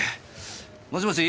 もしもし？